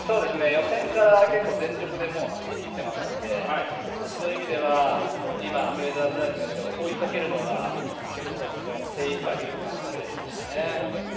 予選から結構、全力で走りきってましたのでそういう意味では今フレイザー・プライス選手を追いかけるのが結構、精いっぱいという感じのレースでしたね。